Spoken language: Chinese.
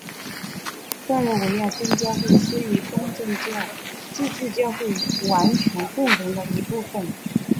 塞尔维亚正教会是与东正教自治教会完全共融的一部分。